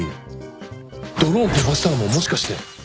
ドローン飛ばしたのももしかして。